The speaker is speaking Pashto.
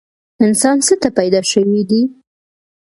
انسان څه ته پیدا شوی دی؟